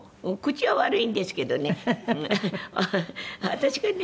私がね